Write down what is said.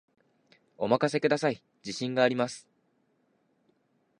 お任せください、自信があります